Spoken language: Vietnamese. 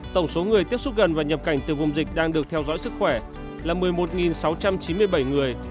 tổng số người tiếp xúc gần và nhập cảnh từ vùng dịch đang được theo dõi sức khỏe là một mươi một sáu trăm chín mươi bảy người